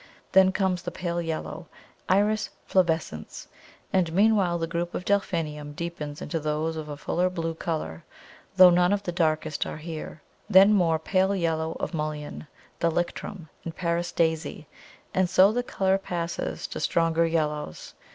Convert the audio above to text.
Then comes the pale yellow Iris flavescens, and meanwhile the group of Delphinium deepens into those of a fuller blue colour, though none of the darkest are here. Then more pale yellow of Mullein, Thalictrum, and Paris Daisy, and so the colour passes to stronger yellows.